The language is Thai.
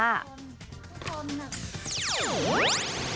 ทุกคนทุกคน